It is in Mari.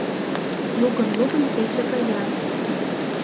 Лыкын-лукын пече кая